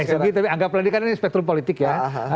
gak ada ekstrim kiri tapi anggaplah ini kan spektrum politik ya